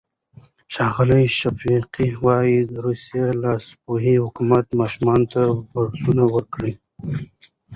ښاغلی شفیقي وايي، روسي لاسپوڅي حکومت ماشومانو ته بورسونه ورکړل.